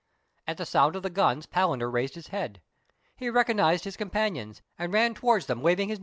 At the sound of the guns Palander raised his head. He recognized his companions, and ran towards them waving A missing Companion.